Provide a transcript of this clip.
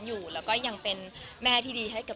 ยังหลอกยังไม่ได้เลิกกันค่ะ